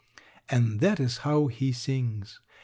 And that is how he sings.